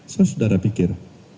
saya sudah berpikir